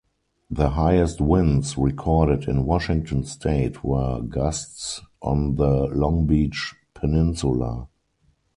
The highest winds recorded in Washington state were gusts on the Long Beach Peninsula.